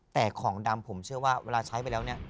แต่ของดำผมเชื่อว่าเวลาใช้ไปแล้วเนี่ย